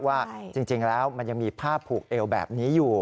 ว่าจริงแล้วมันยังมีผ้าผูกเอวแบบนี้อยู่